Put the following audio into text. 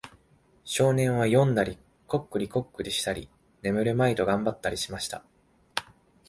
少年は読んだり、コックリコックリしたり、眠るまいと頑張ったりしました。